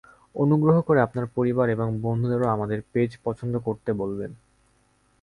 অনুগ্রহ করে আপনার পরিবার এবং বন্ধুদেরও আমার পেইজ পছন্দ করতে বলবেন।